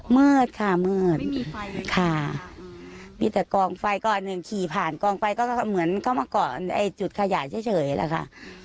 เมิดค่ะเมิดค่ะมีแต่กองไฟนึกขี่ผ่านกองไฟก็เหมือนเข้ามาก่อนจุดขยะเฉยแล้วค่ะ